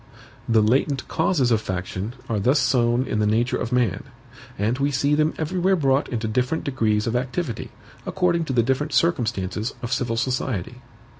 The latent causes of faction are thus sown in the nature of man; and we see them everywhere brought into different degrees of activity, according to the different circumstances of civil society.